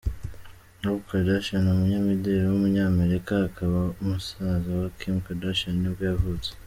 Rob Kardashian, umunyamideli w’umunyamerika, akaba musaza wa Kim Kardashian nibwo yavutse.